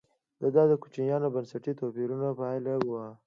دا د کوچنیو بنسټي توپیرونو پایله وه.